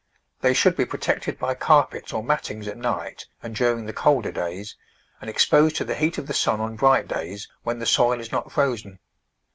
They should be protected by carpets or mattings at night and during the colder days, and exposed to the heat of the sun on bright days when the soil is not frozen.